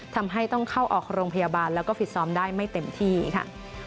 ทำให้ต้องเข้าออกโรงพยาบาลแล้วก็ฟิตซ้อมได้ไม่เต็มที่ค่ะ